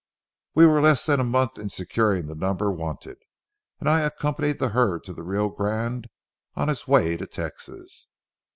We were less than a month in securing the number wanted, and I accompanied the herd to the Rio Grande on its way to Texas.